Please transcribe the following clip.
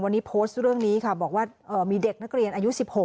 วันนี้โพสต์เรื่องนี้ค่ะบอกว่ามีเด็กนักเรียนอายุ๑๖